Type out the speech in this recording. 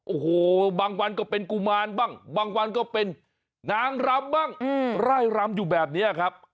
โอ้โหบางวันก็เป็นกุมารบ้างบางวันก็เป็นนางรำบ้างไล่รำอยู่แบบนี้ครับ